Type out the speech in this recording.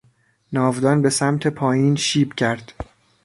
ناودان به سمت پایین شیب کرد.